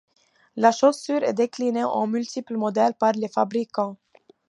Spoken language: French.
La chaussure est déclinée en multiples modèles par les fabricants.